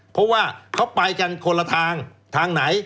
เพราะว่าเขาไปกันคนละทางทางไหน